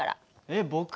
えっ僕？